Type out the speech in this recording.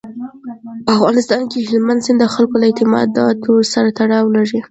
په افغانستان کې هلمند سیند د خلکو له اعتقاداتو سره تړاو لري.